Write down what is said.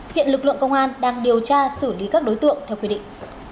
hiện lực lượng công an đang điều tra xử lý các đối tượng theo quy định